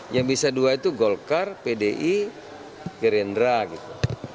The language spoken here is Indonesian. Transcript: yang bisa dua itu golkar pdi gerindra gitu